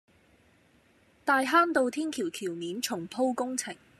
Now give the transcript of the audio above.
大坑道天橋橋面重鋪工程